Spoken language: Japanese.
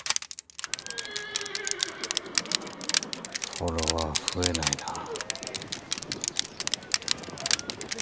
フォロワー増えないなぁ。